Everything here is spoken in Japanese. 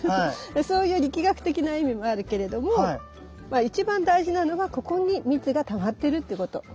そういう力学的な意味もあるけれども一番大事なのがここに蜜がたまってるっていうこと。